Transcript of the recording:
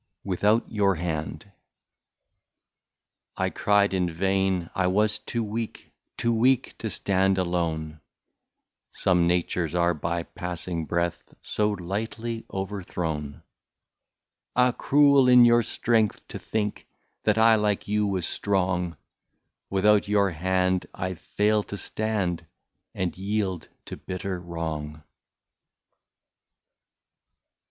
1/2 WITHOUT YOUR HAND. " I CRIED in vain —* I was too weak, Too weak to stand alone '— Some natures are by passing breath So lightly overthrown. " Ah ! cruel in your strength to think, That I like you was strong ; Without your hand I fail to stand. And yield to bitter wrong.''